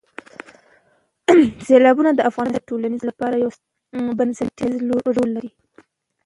سیلابونه د افغانستان د ټولنې لپاره یو بنسټیز رول لري.